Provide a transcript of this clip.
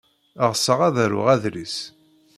Ɣseɣ ad d-aruɣ adlis.